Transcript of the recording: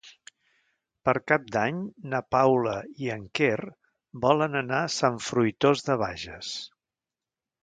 Per Cap d'Any na Paula i en Quer volen anar a Sant Fruitós de Bages.